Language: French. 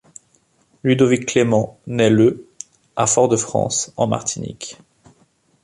Ludovic Clément nait le à Fort-de-France, en Martinique.